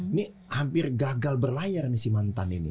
ini hampir gagal berlayar nih si mantan ini